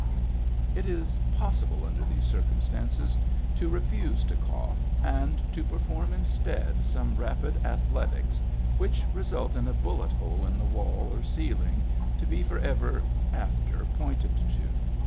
It is possible, under these circumstances, to re fuse to cough, and to perform instead some rapid athletics which result in a bullet hole in the wall or ceiling, to be forever after pointed to.